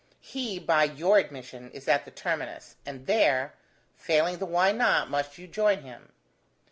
He, by your admission, is at the terminus, and there, failing the why not, must you join him."